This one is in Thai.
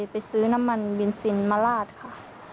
ไปซื้อน้ำมันเบนซินมาลาดค่ะ